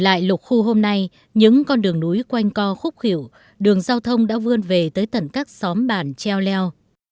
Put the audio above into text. trở lại lục khu hôm nay những con đường núi quanh co khúc khỉu đường giao thông đã vươn về tới tận các xóm bản treo leo